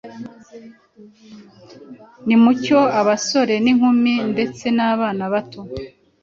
Nimutyo abasore n’inkumi ndetse n’abana bato